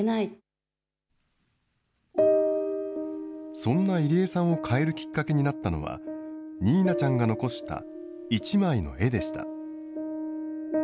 そんな入江さんを変えるきっかけになったのは、にいなちゃんが残した一枚の絵でした。